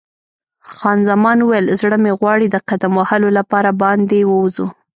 خان زمان وویل: زړه مې غواړي د قدم وهلو لپاره باندې ووځو.